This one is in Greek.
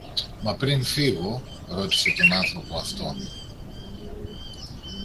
Μα πριν φύγω, ρώτησε τον άνθρωπο αυτό